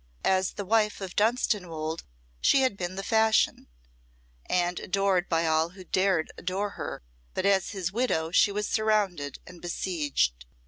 As the wife of Dunstanwolde she had been the fashion, and adored by all who dared adore her; but as his widow she was surrounded and besieged.